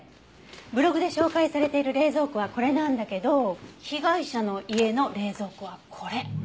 ブログで紹介されている冷蔵庫はこれなんだけど被害者の家の冷蔵庫はこれ。